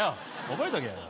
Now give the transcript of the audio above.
覚えとけ。